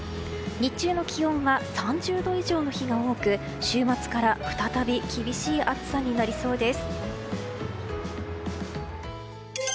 日中の気温は３０度以上の日が多く週末から再び厳しい暑さになりそうです。